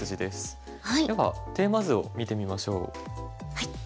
ではテーマ図を見てみましょう。